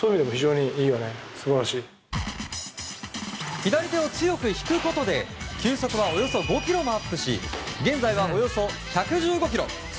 左手を強く引くことで球速はおよそ５キロもアップし現在はおよそ１１５キロ。